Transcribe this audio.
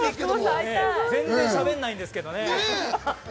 全然しゃべんないんですけどね。